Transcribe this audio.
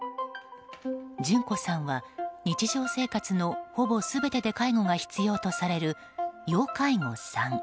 順子さんは日常生活のほぼ全てで介護が必要とされる要介護３。